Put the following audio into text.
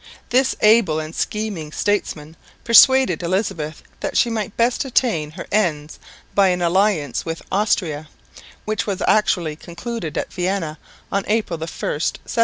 This able and scheming statesman persuaded Elizabeth that she might best attain her ends by an alliance with Austria, which was actually concluded at Vienna on April 1, 1725.